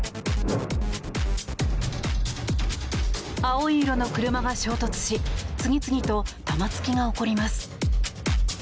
青い色の車が衝突し次々と玉突きが起こります。